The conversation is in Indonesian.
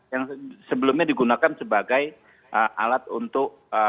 yang sebelumnya digunakan sebagai alat untuk